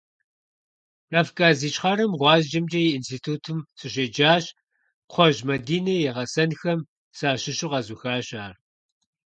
Кавказ Ищхъэрэм ГъуазджэмкӀэ и институтым сыщеджащ, Кхъуэжь Мадинэ и гъэсэнхэм сащыщу къэзухащ ар.